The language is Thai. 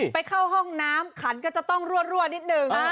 ไปเข้าห้องน้ำขันก็จะต้องรั่วนิดนึง